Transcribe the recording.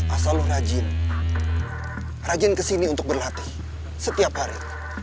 asal lo rajin rajin kesini untuk berlatih setiap hari